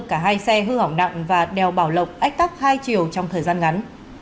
cả hai xe hư hỏng nặng và đèo bảo lộc ách tắc hai chiều trong thời gian ngắn